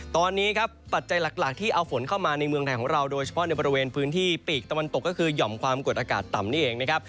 ตอนนี้ครับปัจจัยหลักที่เอาฝนเข้ามาในเมืองไทยของเราโดยเฉพาะในบริเวณพื้นที่ปีกตะวันตกก็คือหย่อมความกดอากาศต่ำนี่เองนะครับ